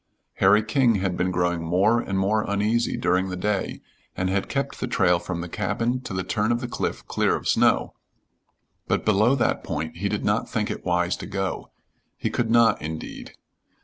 Harry King had been growing more and more uneasy during the day, and had kept the trail from the cabin to the turn of the cliff clear of snow, but below that point he did not think it wise to go: he could not, indeed.